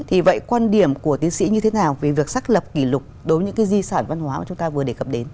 thì vậy quan điểm của tiến sĩ như thế nào về việc xác lập kỷ lục đối với những cái di sản văn hóa mà chúng ta vừa đề cập đến